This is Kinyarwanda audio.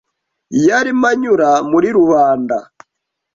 Yarimo anyura muri rubanda.